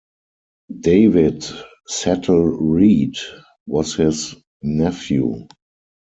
David Settle Reid was his nephew.